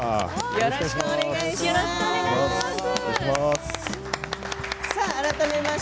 よろしくお願いします。